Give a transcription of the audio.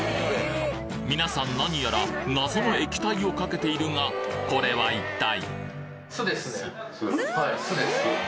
皆さん何やら謎の液体をかけているがこれは一体？